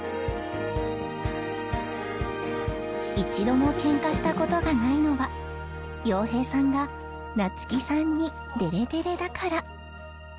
一度もケンカした事がないのは洋平さんがなつきさんにデレデレだから。